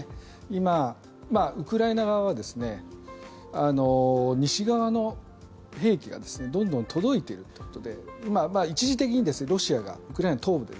今、ウクライナ側は西側の兵器がどんどん届いてるということで一時的にロシアがウクライナ東部で